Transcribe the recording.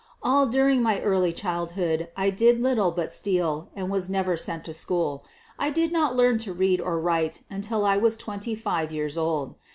All during my early childhood I did little but steal, and was never sent to school. I did not learn to read or write until I was twenty five years old.